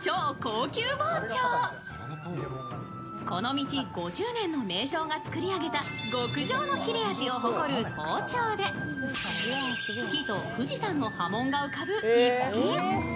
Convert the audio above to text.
この道５０年の名匠が作り上げた極上の切れ味を誇る包丁で、月と富士山の波紋が浮かぶ逸品。